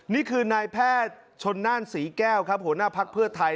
นี่คือนายแพทย์ชนน่านศรีแก้วครับหัวหน้าภักดิ์เพื่อไทย